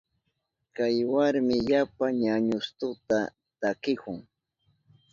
Kay warmi yapa ñañustuta takihun.